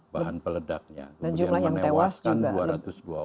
bahan peledaknya kemudian menewaskan